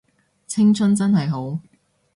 青春真係好